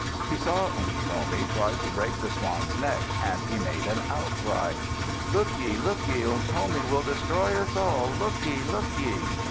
He saw Unktomi try to break the swan's neck, and he made an outcry: Look ye, look ye! Unktomi will destroy us all. Look ye, look ye!